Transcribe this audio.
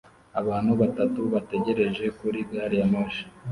Abantu batatu bategereje kuri gari ya moshi